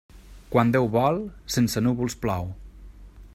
Quan Déu vol, sense núvols plou.